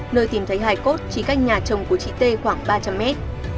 nơi tìm thấy hải cốt chỉ cách nhà chồng của chị t khoảng ba trăm linh mét